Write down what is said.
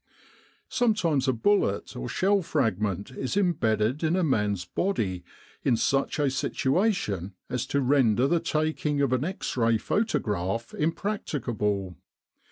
Sometimes a bullet, or shell fragment, is embedded in a man's body in such a situation as to render the taking of an X Ray photograph imprac ticable.